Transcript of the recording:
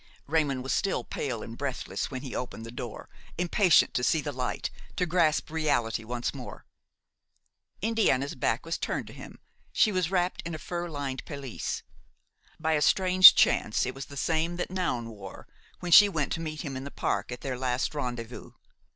Raymon was still pale and breathless when he opened the door; impatient to see the light, to grasp reality once more. Indiana's back was turned to him, she was wrapped in a fur lined pelisse. By a strange chance it was the same that Noun wore when she went to meet him in the park at their last rendezvous.